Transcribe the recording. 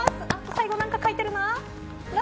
最後何か書いてるな。